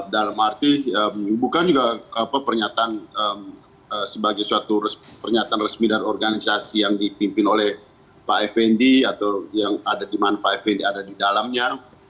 dalam arti bukan juga pernyataan sebagai suatu pernyataan resmi dari organisasi yang dipimpin oleh pak effendi atau yang ada di manfaat fnd ada di dalamnya